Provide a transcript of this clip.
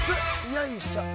よいしょ。